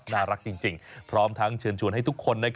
น่ารักจริงพร้อมทั้งเชิญชวนให้ทุกคน